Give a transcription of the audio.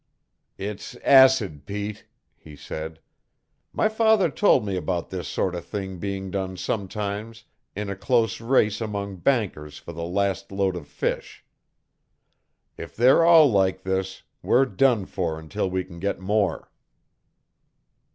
"It's acid, Pete," he said. "My father told me about this sort of thing being done sometimes in a close race among bankers for the last load of fish. If they're all like this we're done for until we can get more."